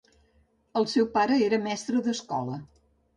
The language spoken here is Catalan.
El seu pare era mestre d'escola.